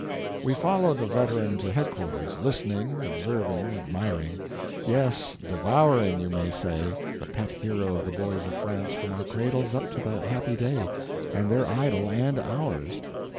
We followed the veteran to headquarters, listening, observing, admiring—yes, devouring, you may say, the pet hero of the boys of France from our cradles up to that happy day, and their idol and ours.